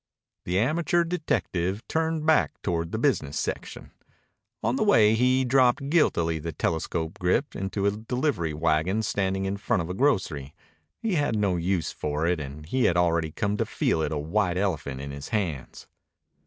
The amateur detective turned back toward the business section. On the way he dropped guiltily the telescope grip into a delivery wagon standing in front of a grocery. He had no use for it, and he had already come to feel it a white elephant on his hands.